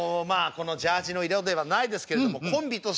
このジャージの色ではないですけれどもコンビと